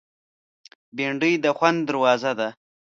بېنډۍ د خوند دروازه ده